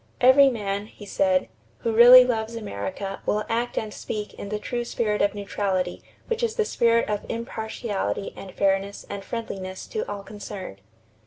"Every man," he said, "who really loves America will act and speak in the true spirit of neutrality which is the spirit of impartiality and fairness and friendliness to all concerned....